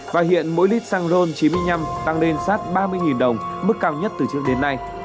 và hiện mỗi lít xăng ron chín mươi năm tăng lên sát ba mươi đồng mức cao nhất từ trước đến nay